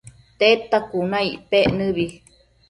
Tedta cuna icpec nëbi